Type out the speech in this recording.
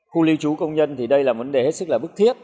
khu lưu trú công nhân thì đây là vấn đề hết sức là bức thiết